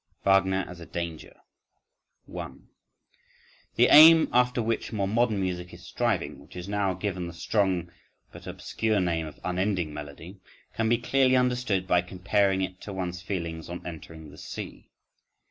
Wagner As A Danger. 1. The aim after which more modern music is striving, which is now given the strong but obscure name of "unending melody," can be clearly understood by comparing it to one's feelings on entering the sea.